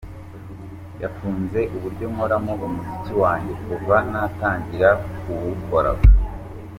Yakunze uburyo nkoramo umuziki wanjye kuva natagira kuwukora.